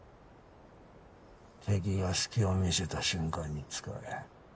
敵が隙を見せた瞬間に使え。